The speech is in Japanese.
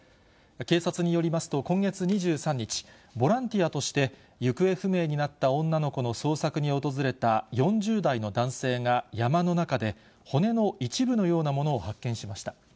警察によりますと、今月２３日、ボランティアとして行方不明になった女の子の捜索に訪れた４０代の男性が山の中で、骨の一部のようなものを発見しました。